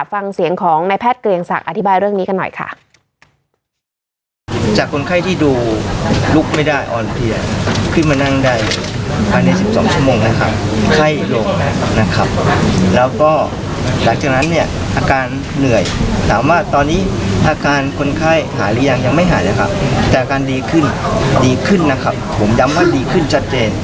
ฟังเสียงของนายแพทย์เกรียงศักดิ์อธิบายเรื่องนี้กันหน่อยค่ะ